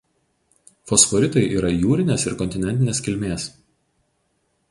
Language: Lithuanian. Fosforitai yra jūrinės ir kontinentinės kilmės.